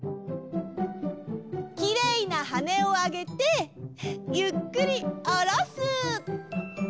きれいなはねをあげてゆっくりおろす！